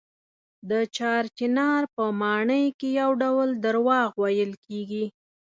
د چار چنار په ماڼۍ کې یو ډول درواغ ویل کېږي.